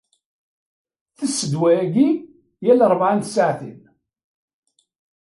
Tess ddwa-agi yal rebɛa n tsaɛtin.